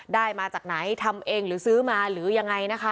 มาจากไหนทำเองหรือซื้อมาหรือยังไงนะคะ